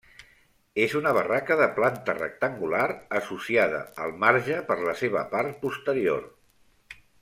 És una barraca de planta rectangular, associada al marge per la seva part posterior.